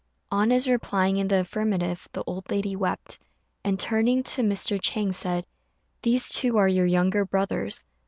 On his replying in the affirmative, the old lady wept, and, turning to Mr. Chang, said, "These two are your younger brothers."